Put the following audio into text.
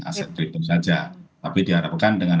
aset kriptom saja tapi diharapkan dengan